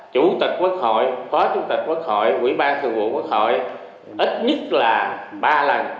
chủ tịch quốc hội phó chủ tịch quốc hội quỹ ban thường vụ quốc hội ít nhất là ba lần